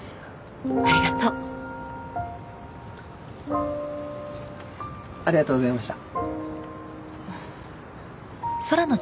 ありがとうありがとうございました